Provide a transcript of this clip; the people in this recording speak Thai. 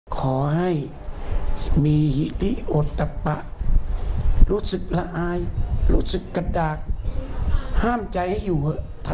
ขอให้มีหิติอดตะปะรู้สึกละอายรู้สึกกระดากห้ามใจให้อยู่